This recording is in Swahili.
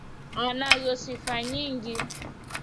Anazo sifa nyingi.